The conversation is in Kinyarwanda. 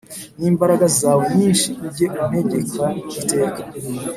N’imbaraga zawe nyinshi ujye untegeka iteka